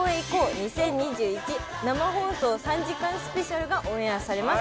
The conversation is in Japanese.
２０２１生放送３時間スペシャル」がオンエアされます。